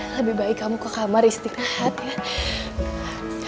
lebih baik kamu ke kamar istirahat ya